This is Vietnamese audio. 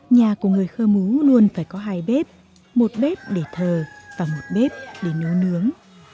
nhà của người khơ mú luôn phải có hai bếp một bếp để thờ và một bếp để nấu nướng